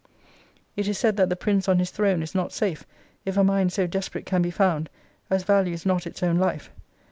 It is said that the prince on his throne is not safe, if a mind so desperate can be found, as values not its own life.